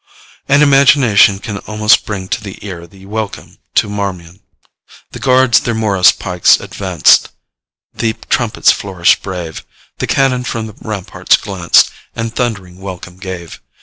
And imagination can almost bring to the ear the welcome to Marmion: 'The guards their morrice pikes advanced, The trumpets flourished brave, The cannon from the ramparts glanced, And thundering welcome gave.